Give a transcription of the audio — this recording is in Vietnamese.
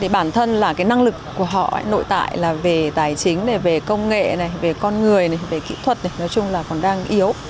bản thân là cái năng lực của họ nội tại là về tài chính về công nghệ về con người về kỹ thuật nói chung là còn đang yếu